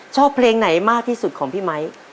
ชอบเพลงไหนมากที่สุดของพี่ไมค์